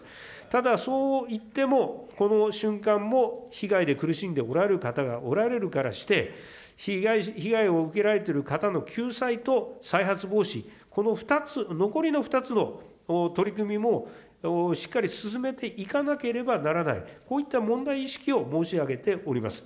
ただ、そう言っても、この瞬間も被害で苦しんでおられる方がおられるからして、被害を受けられている方の救済と再発防止、この２つ、残りの２つの取り組みも、しっかり進めていかなければならない、こういった問題意識を申し上げております。